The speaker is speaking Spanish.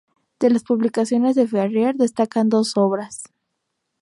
De las publicaciones de Ferrier, destacan dos obras.